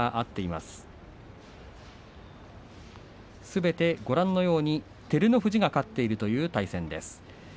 すべて照ノ富士が勝っているという対戦です。